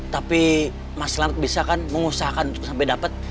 tapi mas lard bisa kan mengusahakan untuk sampai dapat